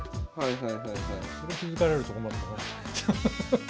それ気付かれると困ったな。